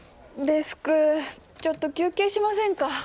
デスクちょっと休憩しませんか。